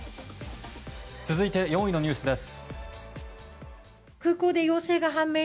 続いて４位のニュースです。